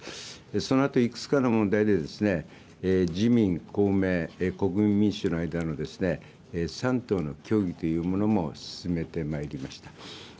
そのあといくつかの問題で、自民、公明、国民民主の間の３党の協議というものも進めてまいりました。